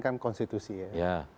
kan konstitusi ya